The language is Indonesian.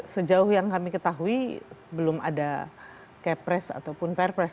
sejauh yang kami ketahui belum ada kepres ataupun perpres